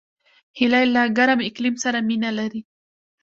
هیلۍ له ګرم اقلیم سره مینه لري